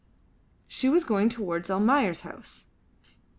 She was going towards Almayer's house.